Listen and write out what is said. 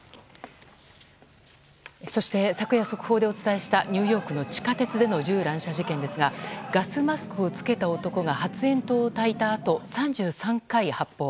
そして昨夜、速報でお伝えしたニューヨークの地下鉄での銃乱射事件ですがガスマスクを着けた男が発煙筒をたいたあと３３回発砲。